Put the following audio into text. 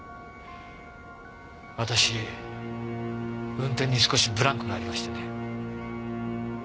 私運転に少しブランクがありましてね。